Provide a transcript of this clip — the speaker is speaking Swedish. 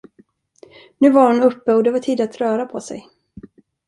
Nu var hon uppe och det var tid att röra på sig.